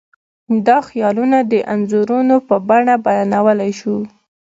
دا خیالونه د انځورونو په بڼه بیانولی شو.